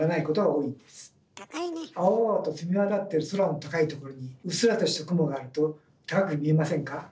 青々と澄み渡っている空の高いところにうっすらとした雲があると高く見えませんか？